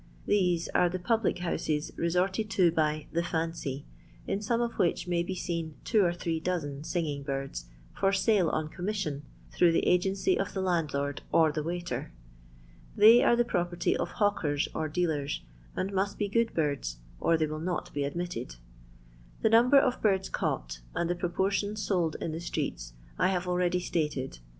These are the pub lic houses resorted to by " the fancy," in some of which may be seen two or three dozen singing birds for salo on commission, through the agency of the landlord or the waiter. They are the pro perty of hawkers or dealers, and must be good birds, or they will not be admitted. The number of birds caught, and the propo^ tion sold in the streets, I have already stated.